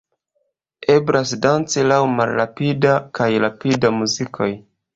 Eblas danci laŭ malrapida kaj rapida muzikoj.